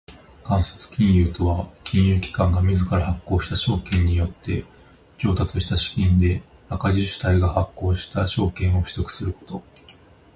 間接金融とは金融機関が自ら発行した証券によって調達した資金で赤字主体が発行した証券を取得すること。